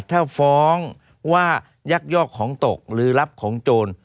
ถ้าฟ้องว่ายักยอกของตกหรือรับของโจร